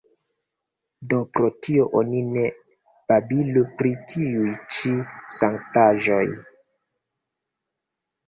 Do pro tio oni ne babilu pri tiuj ĉi sanktaĵoj.